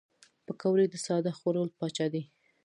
پکورې د ساده خوړو پاچا دي